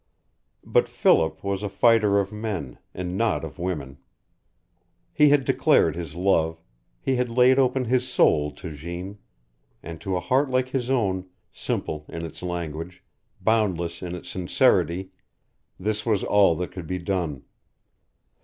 But Philip was a fighter of men, and not of women. He had declared his love, he had laid open his soul to Jeanne, and to a heart like his own, simple in its language, boundless in its sincerity, this was all that could be done.